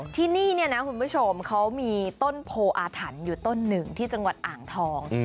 ที่นี่เนี่ยนะคุณผู้ชมเขามีต้นโพออาถรรพ์อยู่ต้นหนึ่งที่จังหวัดอ่างทอง